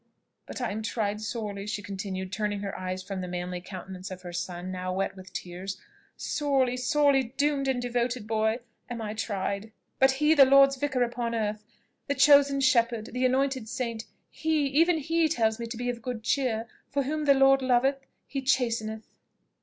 But I am tried sorely," she continued, turning her eyes from the manly countenance of her son, now wet with tears. "Sorely, sorely, doomed and devoted boy, am I tried? But he, the Lord's vicar upon earth, the chosen shepherd, the anointed saint, he, even he tells me to be of good cheer, for whom the Lord loveth he chasteneth."